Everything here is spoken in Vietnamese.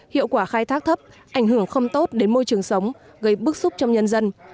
hiệu quả khai thác thấp ảnh hưởng không tốt đến môi trường sống gây bức xúc trong nhân dân